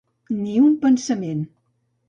Ni un pensament.